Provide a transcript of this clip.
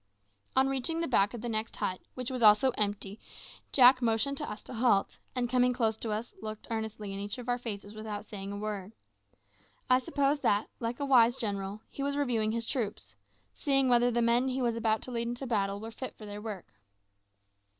On reaching the back of the next hut, which was also empty. Jack motioned to us to halt, and coming close to us looked earnestly in each of our faces without saying a word. I supposed that, like a wise general, he was reviewing his troops seeing whether the men he was about to lead into battle were fit for their work.